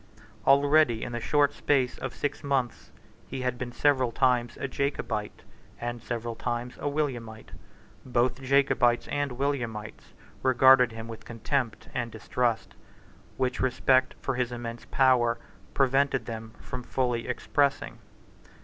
Already, in the short space of six months, he had been several times a Jacobite, and several times a Williamite. Both Jacobites and Williamites regarded him with contempt and distrust, which respect for his immense power prevented them from fully expressing.